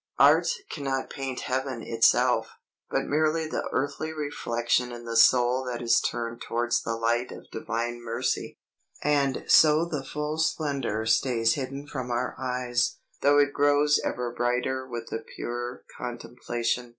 Art cannot paint heaven itself, but merely the earthly reflection in the soul that is turned towards the light of divine mercy. And so the full splendor stays hidden from our eyes, though it grows ever brighter with the purer contemplation.